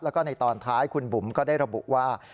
แล้วก็ในตอนท้ายคุณบุ๋มก็ได้ระบุว่า